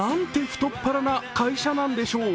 太っ腹な会社なんでしょう。